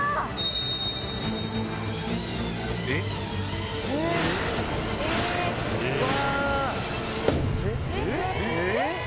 えっ⁉うわ！